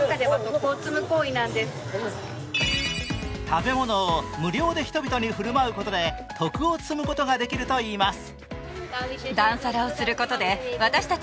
食べ物を無料で人々に振る舞うことで徳を積むことができるといいます。